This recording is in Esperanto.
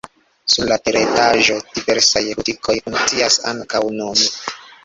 Sur la teretaĝo diversaj butikoj funkcias ankaŭ nun.